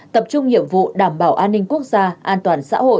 tập trung nhiệm vụ đảm bảo an ninh quốc gia an toàn